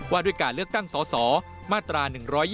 ว่าด้วยการเลือกตั้งสสมาตรา๑๒๒